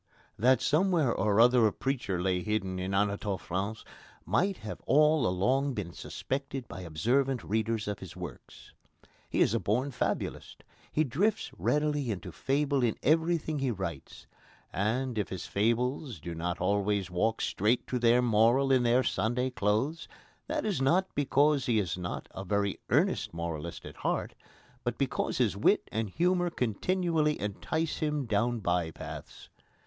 That somewhere or other a preacher lay hidden in Anatole France might have all along been suspected by observant readers of his works. He is a born fabulist. He drifts readily into fable in everything he writes. And, if his fables do not always walk straight to their moral in their Sunday clothes, that is not because he is not a very earnest moralist at heart, but because his wit and humour continually entice him down by paths.